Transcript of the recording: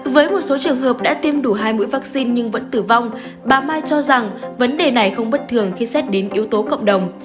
với một số trường hợp đã tiêm đủ hai mũi vaccine nhưng vẫn tử vong bà mai cho rằng vấn đề này không bất thường khi xét đến yếu tố cộng đồng